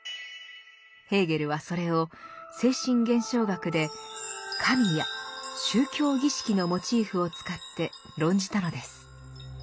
ヘーゲルはそれを「精神現象学」で「神」や「宗教儀式」のモチーフを使って論じたのです。